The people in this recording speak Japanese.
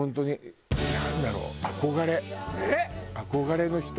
憧れの人